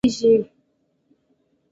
کچالو له دعاوو سره کرل کېږي